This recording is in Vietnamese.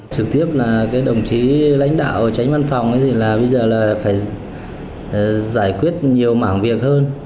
trực tiếp là cái đồng chí lãnh đạo tránh văn phòng thì là bây giờ là phải giải quyết nhiều mảng việc hơn